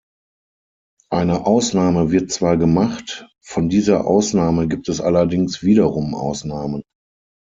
Eine Ausnahme wird zwar gemacht, von dieser Ausnahme gibt es allerdings wiederum Ausnahmen.